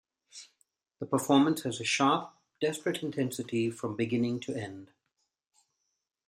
The performance has a sharp, desperate intensity from beginning to end.